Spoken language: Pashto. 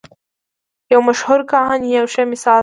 یو مشهور کاهن یې ښه مثال دی.